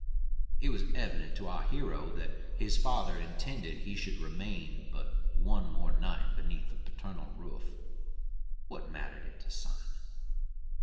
It was evident to our hero that his father intended he should remain but one more night beneath the paternal roof. What mattered it to Simon?